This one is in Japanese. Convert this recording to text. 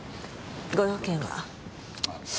ご用件は？